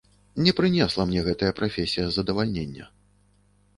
Не прынесла мне гэтая прафесія задавальнення.